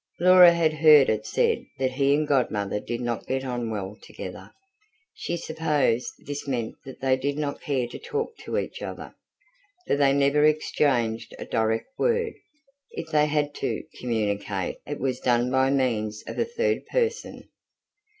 Laura had heard it said that he and Godmother did not get on well together; she supposed this meant that they did not care to talk to each other, for they never exchanged a direct word: if they had to communicate, it was done by means of a third person.